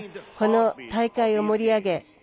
この大会を盛り上げ